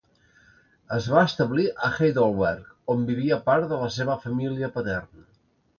Es va establir a Heidelberg, on vivia part de la seva família paterna.